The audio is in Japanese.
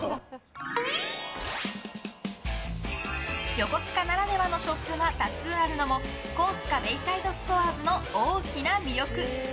横須賀ならではのショップが多数あるのもコースカベイサイドストアーズの大きな魅力。